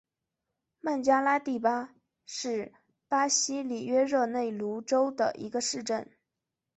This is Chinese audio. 曼加拉蒂巴是巴西里约热内卢州的一个市镇。